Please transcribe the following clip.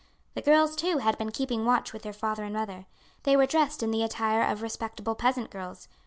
The girls, too, had been keeping watch with their father and mother. They were dressed in the attire of respectable peasant girls.